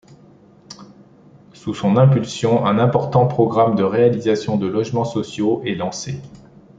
Sous son impulsion un important programme de réalisation de logements sociaux est lancé.